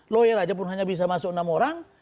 lawyer aja pun hanya bisa masuk enam orang